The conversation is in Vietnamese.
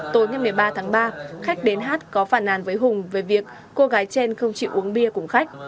tối ngày một mươi ba tháng ba khách đến hát có phản nàn với hùng về việc cô gái trên không chịu uống bia cùng khách